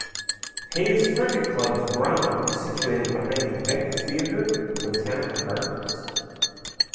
Hayes Cricket Club's ground is situated behind the Beck Theatre and Botanical Gardens.